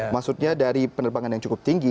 maksudnya dari penerbangan yang cukup tinggi